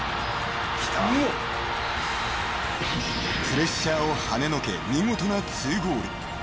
［プレッシャーをはねのけ見事な２ゴール］